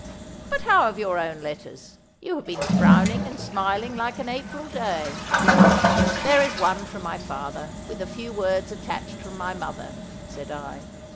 But how of your own letters? You have been frowning and smiling like an April day.' 'There is one from my father, with a few words attached from my mother,' said I.